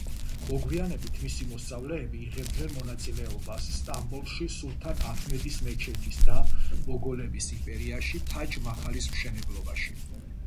მოგვიანებით მისი მოსწავლეები იღებდნენ მონაწილეობას სტამბოლში სულთან აჰმედის მეჩეთის და მოგოლების იმპერიაში თაჯ-მაჰალის მშენებლობაში.